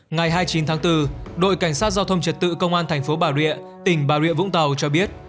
ngày hai mươi chín tháng bốn đội cảnh sát giao thông trật tự công an thành phố bà rịa tỉnh bà rịa vũng tàu cho biết